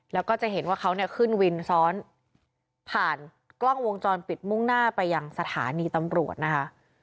แล้วก็จะเห็นว่าเขาเนี่ยขึ้นวินซ้อนผ่านกล้องวงจรปิดมุ่งหน้าไปยังสถานีตำรวจนะคะ